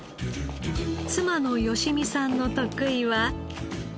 妻の良美さんの得意は。